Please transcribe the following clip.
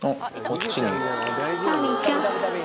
タビちゃん。